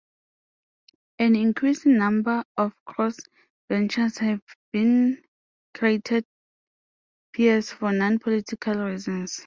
An "increasing number" of Crossbenchers have been created peers for non-political reasons.